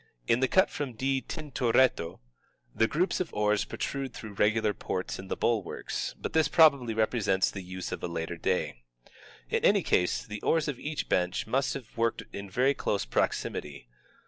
In the cut from D. Tintoretto (p. j/) the groups of oars protrude through regular ports in the bulwarks, but this probably represents the use of a later day. In any case the oars of each bench must have worked in very close proximity.